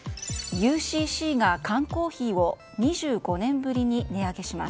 ＵＣＣが缶コーヒーを２５年ぶりに値上げします。